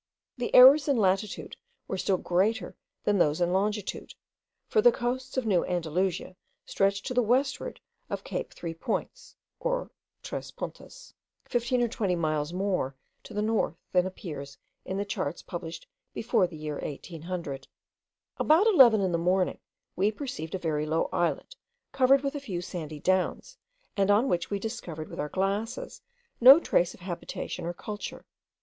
The errors in latitude were still greater than those in longitude, for the coasts of New Andalusia stretch to the westward of Cape Three Points (or tres Puntas) fifteen or twenty miles more to the north, than appears in the charts published before the year 1800. About eleven in the morning we perceived a very low islet, covered with a few sandy downs, and on which we discovered with our glasses no trace of habitation or culture.